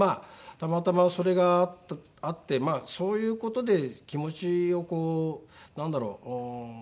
たまたまそれがあってそういう事で気持ちをこうなんだろう。